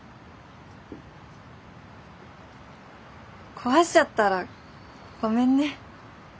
壊しちゃったらごめんね。